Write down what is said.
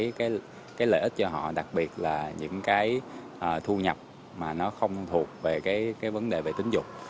để mà có thể mang về rất là nhiều cái lợi ích cho họ đặc biệt là những cái thu nhập mà nó không thuộc về cái vấn đề về tín dụng